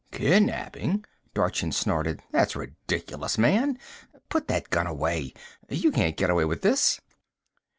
"Kidnapping?" Dorchin snorted. "That's ridiculous, man! Put that gun away you can't get away with this!"